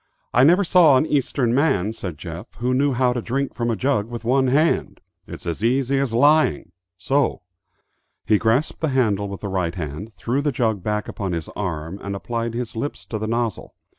"I never saw an Eastern man," said Jeff, "who knew how to drink from a jug with one hand. It's as easy as lying. So." He grasped the handle with the right hand, threw the jug back upon his arm, and applied his lips to the nozzle.